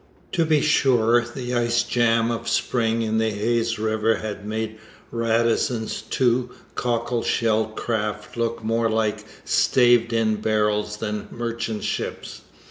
To be sure, the ice jam of spring in the Hayes river had made Radisson's two cockle shell craft look more like staved in barrels than merchant ships.